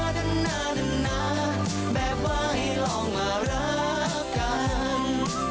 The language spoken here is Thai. ดนแบบว่าให้ลองมารักกัน